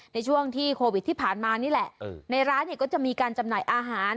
ในช่วงที่โควิดที่ผ่านมานี่แหละในร้านเนี่ยก็จะมีการจำหน่ายอาหาร